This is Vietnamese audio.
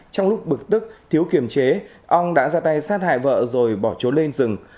trong lúc bực tức thiếu kiềm chế ong đã ra tay sát hại vợ rồi bỏ trốn lên rừng